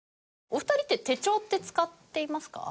お二人って手帳って使っていますか？